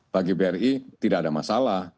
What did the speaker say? bagi bri tidak ada masalah